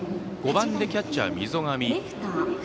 ５番キャッチャー、溝上。